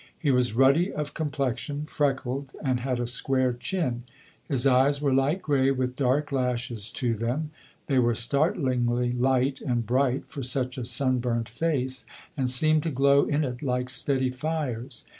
He was ruddy of complexion, freckled, and had a square chin. His eyes were light grey, with dark lashes to them; they were startlingly light and bright for such a sunburnt face, and seemed to glow in it like steady fires.